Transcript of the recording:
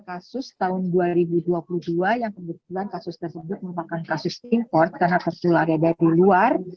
kasus tahun dua ribu dua puluh dua yang kebetulan kasus tersebut merupakan kasus import karena tertular ada dari luar